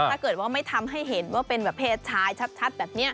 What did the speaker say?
ถ้าเกิดว่าไม่ทำให้เห็นว่าเป็นแบบเพศชายชัดแบบนี้